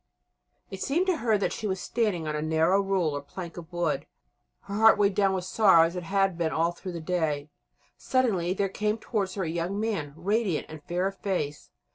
It seemed to her that she was standing on a narrow rule or plank of wood, her heart weighed down with sorrow as it had been all through the day. Suddenly there came towards her a young man radiant and fair of face.